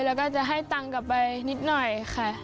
แล้วก็จะให้ตังค์กลับไปนิดหน่อยค่ะ